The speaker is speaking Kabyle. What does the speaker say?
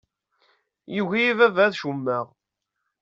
Yugi-iyi baba ad cummeɣ.